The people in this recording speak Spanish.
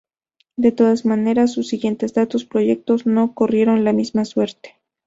De todas maneras, sus siguientes dos proyectos no corrieron la misma suerte.